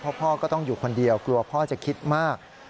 เพราะพ่อก็ต้องอยู่คนเดียวกลัวพ่อจะคิดมาก